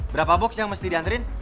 berapa box yang mesti diantri